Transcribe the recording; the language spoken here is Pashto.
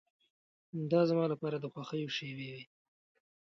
دا زما لپاره د خوښیو شېبې وې.